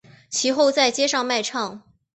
其后在街上卖唱。